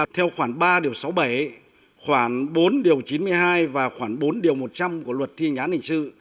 theo khoảng ba điều sáu mươi bảy khoảng bốn điều chín mươi hai và khoảng bốn điều một trăm linh của luật thiên gián hình sự